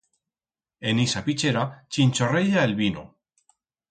En ixa pichera chinchorreya el vino.